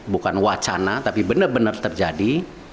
bukan wacana tapi benar benar terjadi